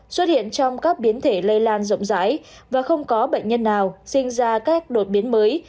xuất hiện trong các biến thể lây lan rộng rãi và không có bệnh nhân nào sinh ra các đột biến mới